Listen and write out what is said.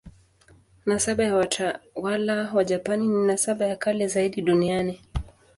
Nasaba ya watawala wa Japani ni nasaba ya kale zaidi duniani.